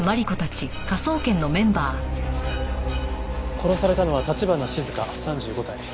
殺されたのは橘静香３５歳。